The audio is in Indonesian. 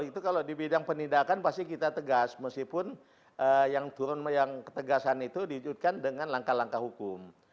itu kalau di bidang penindakan pasti kita tegas meskipun yang turun yang ketegasan itu dijutkan dengan langkah langkah hukum